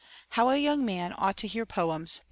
282. HOW A YOUNG MAN OUGHT TO HEAR POEMS.